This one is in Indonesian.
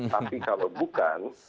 tapi kalau bukan